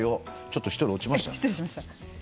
ちょっと１人落ちましたね。